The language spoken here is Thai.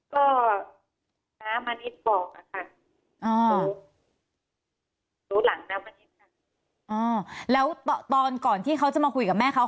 ก็น้ามณิษฐ์บอกอะค่ะรู้หลังนะมณิษฐ์ค่ะอ๋อแล้วตอนก่อนที่เขาจะมาคุยกับแม่เขา